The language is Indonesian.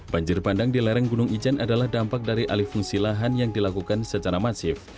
banjir bandang di lereng gunung ijen adalah dampak dari alih fungsi lahan yang dilakukan secara masif